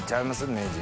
名人。